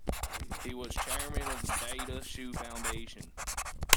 He was chairman of the Bata Shoe Foundation.